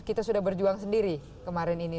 kita sudah berjuang sendiri kemarin ini